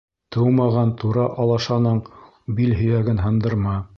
Тыумаған тура алашаның бил һөйәген һындырма.